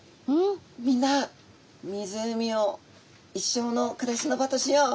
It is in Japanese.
「みんな湖を一生の暮らしの場としよう」。